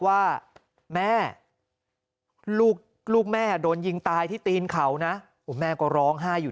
ว่าแม่ลูกแม่โดนยิงตายที่ตีนเขานะแม่ก็ร้องไห้อยู่